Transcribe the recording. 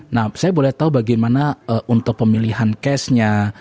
nah saya boleh tahu bagaimana untuk pemilihan case nya